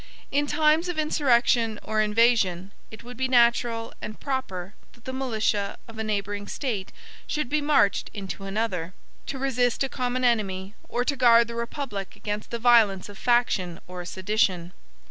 In times of insurrection, or invasion, it would be natural and proper that the militia of a neighboring State should be marched into another, to resist a common enemy, or to guard the republic against the violence of faction or sedition.